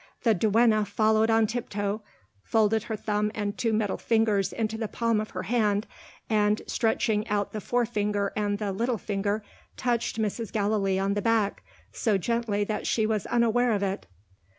The duenna followed on tiptoe folded her thumb and two middle fingers into the palm of her hand and, stretching out the forefinger and the little finger, touched Mrs. Gallilee on the back, so softly that she was unaware of it.